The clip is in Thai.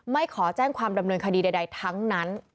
ขอแจ้งความดำเนินคดีใดทั้งนั้น